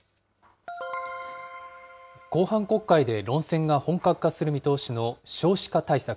後半国会で論戦が本格化する見通しの少子化対策。